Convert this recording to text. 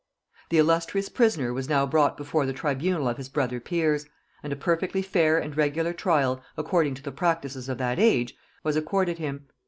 The illustrious prisoner was now brought before the tribunal of his brother peers; and a perfectly fair and regular trial, according to the practices of that age, was accorded him.